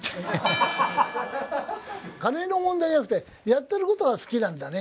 金の問題じゃなくてやってることが好きなんだね。